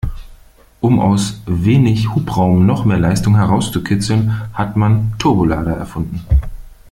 Um aus wenig Hubraum noch mehr Leistung herauszukitzeln, hat man Turbolader erfunden.